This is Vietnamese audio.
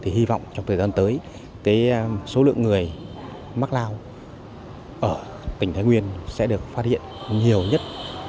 hy vọng trong thời gian tới số lượng người mắc lao ở tỉnh thái nguyên sẽ được phát hiện nhiều nhất